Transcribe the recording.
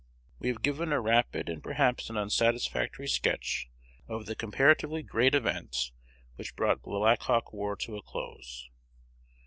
We have given a rapid and perhaps an unsatisfactory sketch of the comparatively great events which brought the Black Hawk War to a close.